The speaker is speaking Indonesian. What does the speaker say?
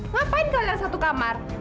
ngapain kalian satu kamar